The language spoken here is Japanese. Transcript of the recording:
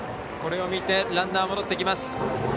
これを見てランナー戻ってきます。